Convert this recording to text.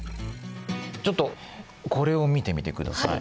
ちょっとこれを見てみてください。